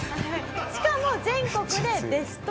しかも全国でベスト１６。